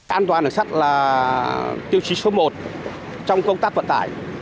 an toàn đường sắt là tiêu chí số một trong công tác vận tải